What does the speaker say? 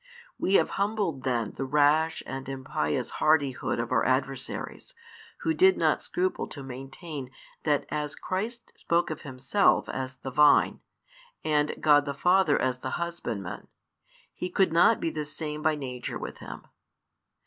We have humbled then the rash and impious hardihood of our adversaries, who did not scruple to maintain that as Christ spoke of Himself as the Vine, and God the Father as the Husbandman, He could not be the same by nature with Him.